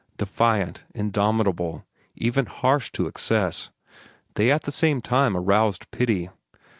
Defiant, indomitable, even harsh to excess, they at the same time aroused pity.